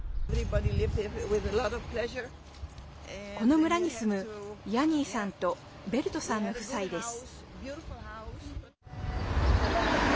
この村に住むヤニーさんとベルトさんの夫妻です。